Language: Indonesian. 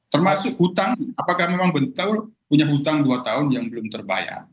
termasuk hutang apakah memang betul punya hutang dua tahun yang belum terbayar